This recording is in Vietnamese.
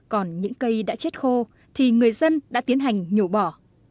còn những cây đã chết khô thì người dân đã tiến hành nhổ bỏ